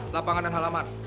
lapangan dan halaman